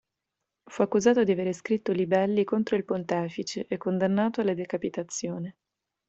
Fu accusato di avere scritto libelli contro il pontefice e condannato alla decapitazione.